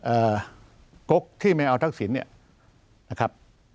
เอ่อกกที่ไม่เอาทักศิลป์เนี้ยนะครับ